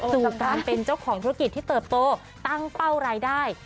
สู่การเป็นเจ้าของธุรกิจที่เติบโตตั้งเป้ารายได้